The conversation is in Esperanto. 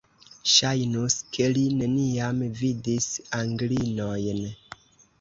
Ŝajnus, ke li neniam vidis Anglinojn!